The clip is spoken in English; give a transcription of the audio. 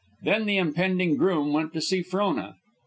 Then the impending groom went to see Frona.